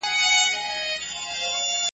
چي بهانه سي درته ګرانه پر ما ښه لګیږي .